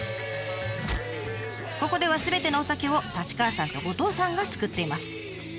ここではすべてのお酒を立川さんと後藤さんが造っています。